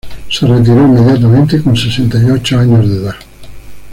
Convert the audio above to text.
Se retiró inmediatamente con sesenta y ocho años de edad.